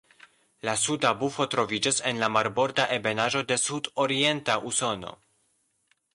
La Suda bufo troviĝas en la marborda ebenaĵo de sudorienta Usono.